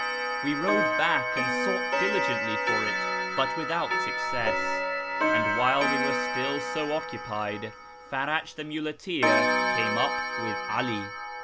We rode back and sought diligently for it, but without success ; and while we were still so occupied, Farach the muleteer came up with 'Ali.